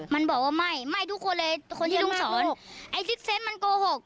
มันบอกว่าไม่ไม่ทุกคนเลยคนที่ต้องสอนไอ้ซิกเซนต์มันโกหก